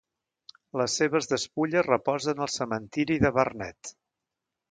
Les seves despulles reposen al cementiri de Vernet.